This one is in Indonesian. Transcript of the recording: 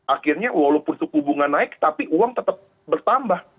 akhirnya walaupun suku bunga naik tapi uang tetap bertambah